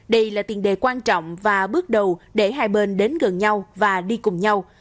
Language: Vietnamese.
đây là tiền đề quan trọng và bước đầu để hai bên đến gần nhau và đi cùng nhau